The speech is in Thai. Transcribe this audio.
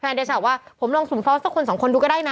เดชาว่าผมลองสุ่มฟอสสักคนสองคนดูก็ได้นะ